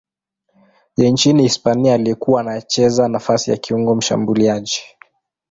ya nchini Hispania aliyekuwa anacheza nafasi ya kiungo mshambuliaji.